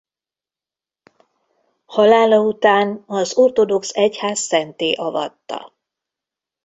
Halála után az Ortodox Egyház szentté avatta.